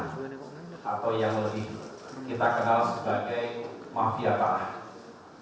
atau yang lebih kita kenal sebagai mafia tanah